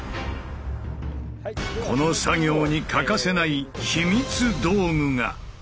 この作業に欠かせない秘密道具が。